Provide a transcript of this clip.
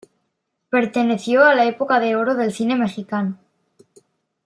Perteneció a la Época de Oro del Cine Mexicano.